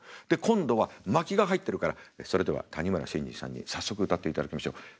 で今度は巻きが入ってるから「それでは谷村新司さんに早速歌っていただきましょう。